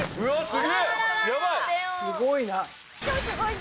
すごいな。